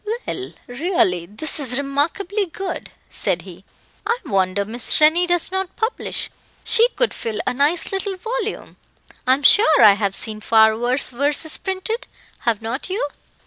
"Well, really this is remarkably good," said he. "I wonder Miss Rennie does not publish: she could fill a nice little volume. I am sure I have seen far worse verses printed. Have not you?"